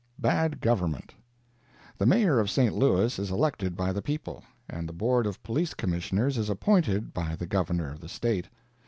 BAD GOVERNMENT The Mayor of St. Louis is elected by the people, and the Board of Police Commissioners is appointed by the Governor of the State.